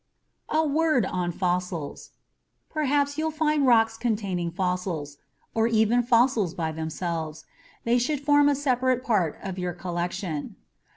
A Word On Fossils Perhaps you'll find rocks containing fossils or even fossils by themselves. They should form a separate part of your collection.